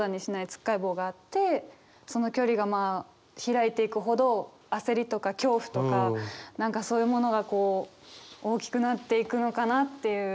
つっかえ棒があってその距離がまあ開いていくほど焦りとか恐怖とか何かそういうものが大きくなっていくのかなっていう。